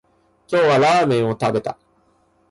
今日はラーメンを食べた